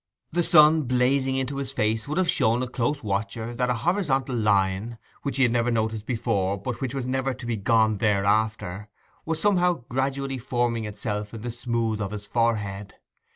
The sun blazing into his face would have shown a close watcher that a horizontal line, which he had never noticed before, but which was never to be gone thereafter, was somehow gradually forming itself in the smooth of his forehead.